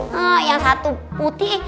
he yang satu putih